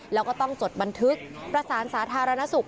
แล้วก็ต้องจดบันทึกประสานสาธารณสุข